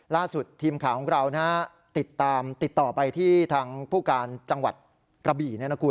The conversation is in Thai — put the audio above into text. ล่าสุดทีมข่าวของเราติดตามติดต่อไปที่ทางผู้การจังหวัดกระบี่